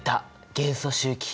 元素周期表。